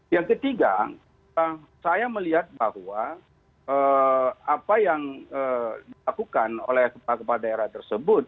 yang ketiga saya melihat bahwa apa yang dilakukan oleh kepala kepala daerah tersebut